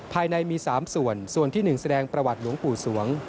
ภายในมี๓ส่วนส่วนที่๑แสดงประวัติหลวงปู่สวง